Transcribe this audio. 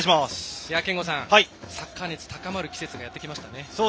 憲剛さん、サッカー熱高まる季節がやってきましたね。